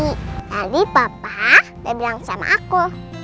tadi papa udah bilang sama aku